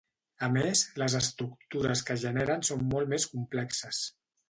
A més, les estructures que generen són molt més complexes.